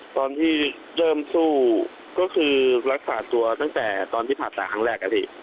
ตอนที่เริ่มสู้ก็คือรักษาตัวตั้งแต่ตอนที่ผ่าตัดครั้งแรกอะพี่